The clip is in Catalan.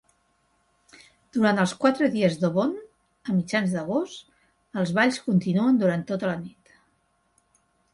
Durant els quatre dies d'Obon a mitjans d'agost, els balls continuen durant tota la nit.